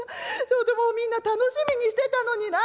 ちょっともうみんな楽しみにしてたのにな。